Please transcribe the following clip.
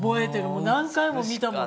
もう何回も見たもの。